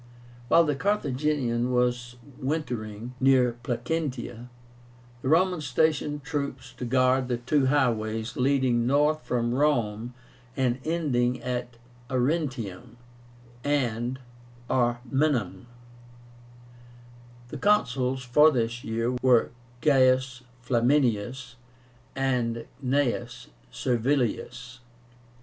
While the Carthaginian was wintering near Placentia, the Romans stationed troops to guard the two highways leading north from Rome and ending at Arretium and Ariminum, The Consuls for this year were GAIUS FLAMINIUS and GNAEUS SERVILIUS.